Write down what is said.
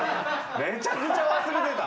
めちゃくちゃ忘れてた。